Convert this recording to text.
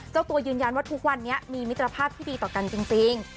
เจ้าตัวยืนยันว่าทุกวันนี้มีมิตรภาพที่ดีต่อกันจริง